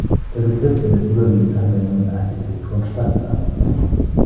Der Begriff findet überwiegend Anwendung in Architektur und Stadtplanung.